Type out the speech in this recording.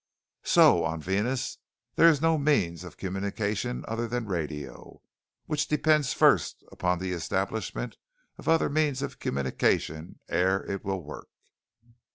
So, on Venus, there is no means of communication other than radio, which depends first upon the establishment of other means of communication ere it will work.